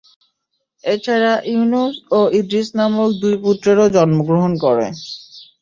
এছাড়া ইউনুস ও ইদ্রীস নামক দুই পুত্রও জন্মগ্রহণ করে।